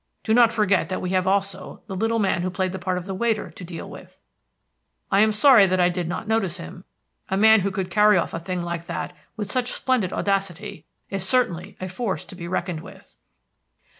Do not forget that we have also the little man who played the part of the waiter to deal with. I am sorry that I did not notice him. A man who could carry off a thing like that with such splendid audacity is certainly a force to be reckoned with."